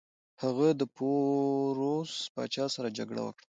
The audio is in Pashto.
هغه د پوروس پاچا سره جګړه وکړه.